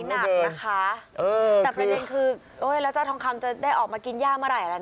แต่ประเด็นคือแล้วเจ้าทองคำจะได้ออกมากินย่าเมื่อไหร่ละเนี่ย